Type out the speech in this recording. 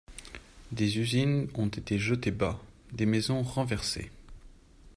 Des usines ont été jetées bas, des maisons renversées.